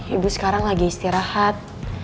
ibu sekarang lagi istirahat